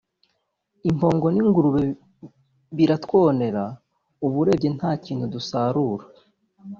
impongo n’ingurube biratwonera ubu urebye nta kintu dusarura